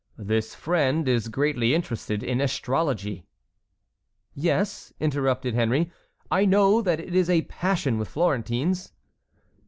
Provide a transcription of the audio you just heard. This friend is greatly interested in astrology." "Yes," interrupted Henry, "I know that it is a passion with Florentines."